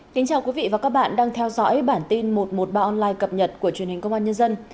xin chào quý vị và các bạn đang theo dõi bản tin một trăm một mươi ba online cập nhật của truyền hình công an nhân dân